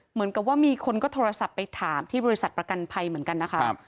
เหมือนกับว่ามีคนก็โทรศัพท์ไปถามที่บริษัทประกันภัยเหมือนกันนะคะ